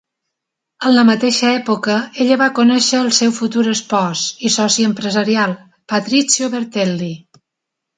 En la mateixa època, ella va conèixer el seu futur espòs i soci empresarial, Patrizio Bertelli.